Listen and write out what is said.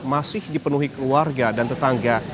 masih dipenuhi keluarga dan tetangga